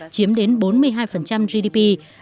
chiếm đến bốn mươi hai gdp